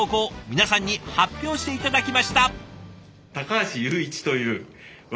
皆さんに発表して頂きました。